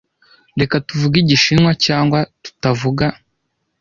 Reka tuvuge Igishinwa, cyangwa tutavuga